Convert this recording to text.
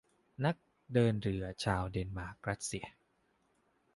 นักเดินเรือชาวเดนมาร์กรัสเซีย